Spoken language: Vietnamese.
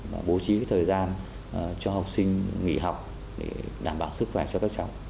và bố trí thời gian cho học sinh nghỉ học để đảm bảo sức khỏe cho các cháu